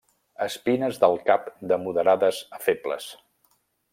Espines del cap de moderades a febles.